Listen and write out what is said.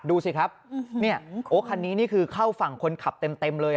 ดูสิครับเนี่ยโอ้คันนี้นี่คือเข้าฝั่งคนขับเต็มเลย